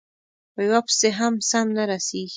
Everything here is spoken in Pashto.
په یوه پسې هم سم نه رسېږي،